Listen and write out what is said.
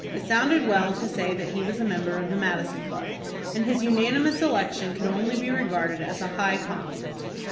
It sounded well to say that he was a member of the Madison Club, and his unanimous election could only be regarded as a high compliment.